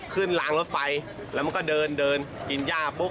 ขึ้นหลังรถไฟแล้วมันก็เดินกินหญ้าปุ๊บ